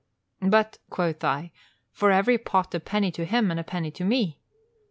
'But,' quoth I, 'for every pot a penny to him and a penny to me.'